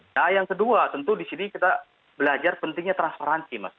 nah yang kedua tentu di sini kita belajar pentingnya transparansi mas